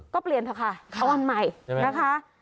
ก็เปลี่ยนเถอะค่ะเอาวันใหม่นะคะ